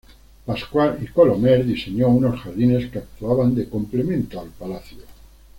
Pascual y Colomer diseñó unos jardines que actuaban de complemento al palacio.